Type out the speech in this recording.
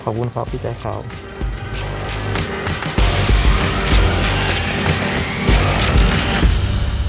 โปรดติดตามตอนต่อไป